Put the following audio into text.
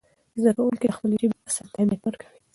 زده کوونکي د خپلې ژبې اصل ته اهمیت ورکوي.